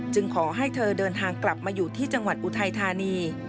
ขอให้เธอเดินทางกลับมาอยู่ที่จังหวัดอุทัยธานี